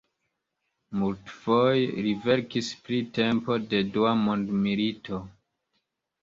Multfoje li verkis pri tempo de Dua mondmilito.